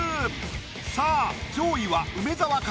さぁ上位は梅沢か？